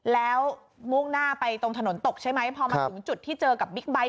แล้วมุ่งหน้าไปตรงถนนตกใช่ไหมพอมาถึงจุดที่เจอกับบิ๊กไบท์